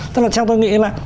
tức là trong tôi nghĩ là